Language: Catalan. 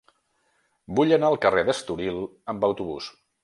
Vull anar al carrer d'Estoril amb autobús.